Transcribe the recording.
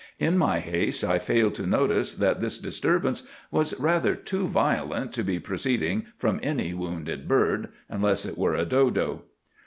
In my haste I failed to notice that this disturbance was rather too violent to be proceeding from any wounded bird, unless it were a dodo.